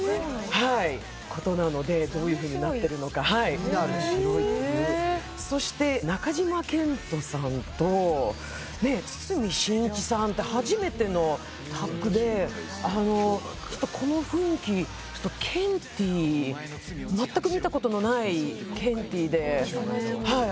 はいことなのでどういうふうになってるのかはい気になるそして中島健人さんと堤真一さんって初めてのタッグであのちょっとこの雰囲気ちょっとケンティーまったく見たことのないケンティーではい